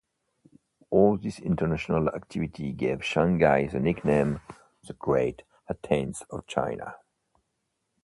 All this international activity gave Shanghai the nickname "the Great Athens of China".